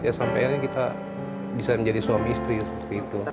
ya sampai akhirnya kita bisa menjadi suami istri seperti itu